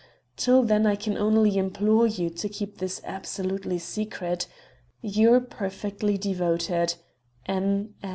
Till then I can only implore you to keep this absolutely secret. "Your perfectly devoted "N.